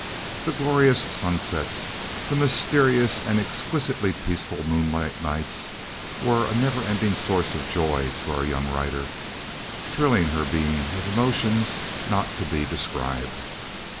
The glorious sunsets, the mysterious and exquisitely peaceful moonlight nights were a never ending source of joy to our young writer, thrilling her being with emotions not to be described.